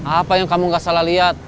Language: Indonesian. apa yang kamu gak salah lihat